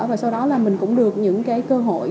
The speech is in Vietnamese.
và sau đó là mình cũng được những cái cơ hội